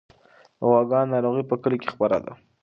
د غواګانو ناروغي په کلي کې خپره ده.